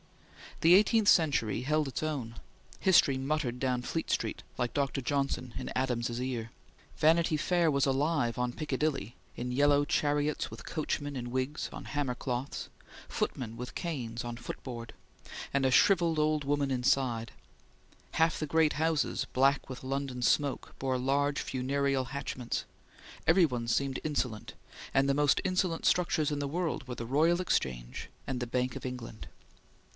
The eighteenth century held its own. History muttered down Fleet Street, like Dr. Johnson, in Adams's ear; Vanity Fair was alive on Piccadilly in yellow chariots with coachmen in wigs, on hammer cloths; footmen with canes, on the footboard, and a shrivelled old woman inside; half the great houses, black with London smoke, bore large funereal hatchments; every one seemed insolent, and the most insolent structures in the world were the Royal Exchange and the Bank of England.